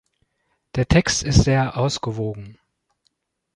Der Text ist sehr ausgewogen.